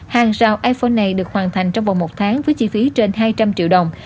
hàng rào iphone này được hoàn thành trong vòng một tháng với chi phí trên hai trăm linh triệu đồng